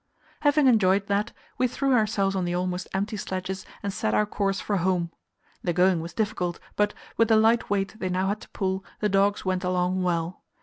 Having enjoyed that, we threw ourselves on the almost empty sledges, and set our course for home. The going was difficult, but, with the light weight they now had to pull, the dogs went along well.